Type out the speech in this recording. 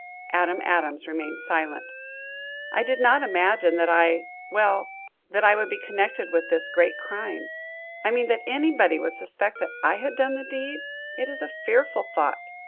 Adam Adams remained silent. "I did not imagine that I well, that I would be connected with this great crime. I mean, that anybody would suspect that I had done the deed. It is a fearful thought!